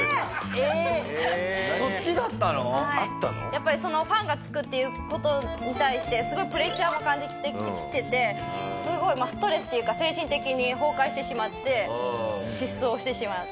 やっぱりファンがつくっていう事に対してすごいプレッシャーも感じてきててすごいストレスっていうか精神的に崩壊してしまって失踪をしてしまう。